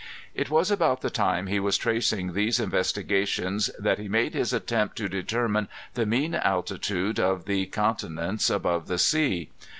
It was about the time he was tracing these investigations that he made his attempt to determine the mean altitude of the con tinents above the sea.